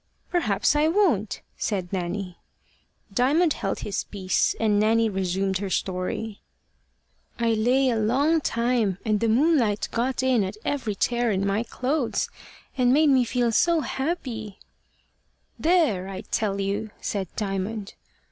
"Perhaps I won't," said Nanny. Diamond held his peace, and Nanny resumed her story. "I lay a long time, and the moonlight got in at every tear in my clothes, and made me feel so happy " "There, I tell you!" said Diamond.